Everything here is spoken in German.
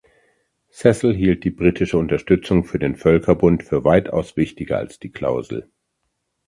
Cecil hielt die britische Unterstützung für den Völkerbund für weitaus wichtiger als die Klausel.